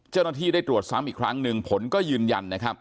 เจ้าหน้าที่ได้ตรวจซ้ำอีกครั้งหนึ่งผลก็ยืนยันนะครับ